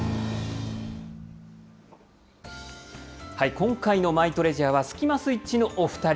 今回のマイトレジャーは、スキマスイッチのお２人。